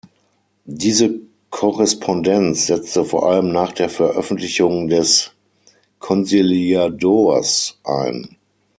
Diese Korrespondenz setzte vor allem nach der Veröffentlichung des "Consiliador"s ein.